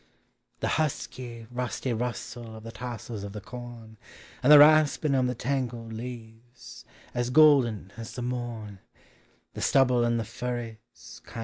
The husky, rusty nissel of the tossels of the corn, And the raspin' of the tangled leav< golden as the morn ; The stubble in Hie fumes kind.